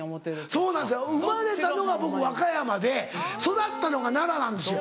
そうなんですよ生まれたのが僕和歌山で育ったのが奈良なんですよ。